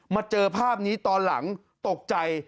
เจอภาพนี้ตอนหลังตกใจ